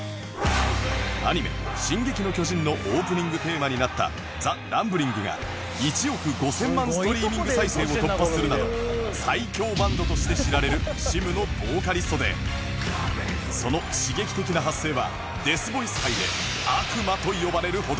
アニメ『進撃の巨人』のオープニングテーマになった『ＴｈｅＲｕｍｂｌｉｎｇ』が１億５０００万ストリーミング再生を突破するなど最恐バンドとして知られる ＳｉＭ のボーカリストでその刺激的な発声はデスボイス界で悪魔と呼ばれるほど